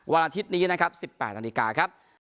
วันอาทิตย์นี้นะครับ๑๘นาฬิกาครับ